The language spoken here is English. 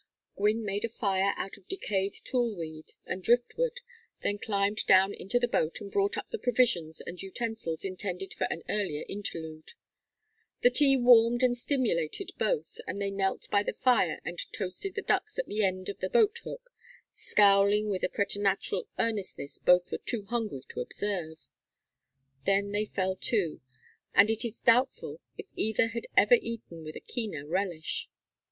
Gwynne made a fire out of decayed tule weed and driftwood, then climbed down into the boat and brought up the provisions and utensils intended for an earlier interlude. The tea warmed and stimulated both, and they knelt by the fire and toasted the ducks at the end of the boat hook, scowling with a preternatural earnestness both were too hungry to observe. Then they fell to, and it is doubtful if either had ever eaten with a keener relish.